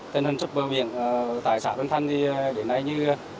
tên hân trúc bơ biển tài xã vinh thanh đi đến đây như